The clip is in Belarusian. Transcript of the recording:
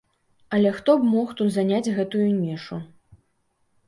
Але хто б мог тут заняць гэтую нішу?